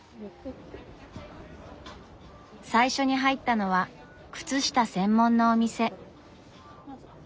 最初に入ったのは靴下専門のお店。